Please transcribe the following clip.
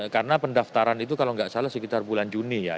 karena pendaftaran itu kalau nggak salah sekitar bulan juni ya